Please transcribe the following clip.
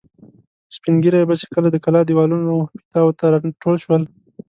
سپین ږیري به چې کله د کلا دېوالونو پیتاوو ته را ټول شول.